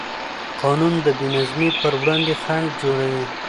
قانون د بېنظمۍ پر وړاندې خنډ جوړوي.